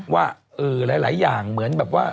ว่าหลายอย่างเหมือนแบบว่า